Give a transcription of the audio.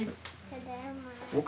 ただいま。